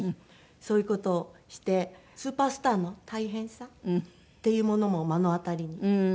そういう事をしてスーパースターの大変さっていうものも目の当たりに。